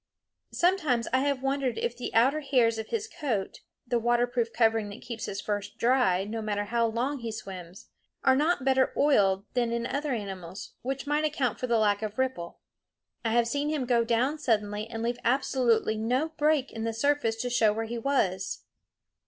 Sometimes I have wondered if the outer hairs of his coat the waterproof covering that keeps his fur dry, no matter how long he swims are not better oiled than in other animals, which might account for the lack of ripple. I have seen him go down suddenly and leave absolutely no break in the surface to show where he was.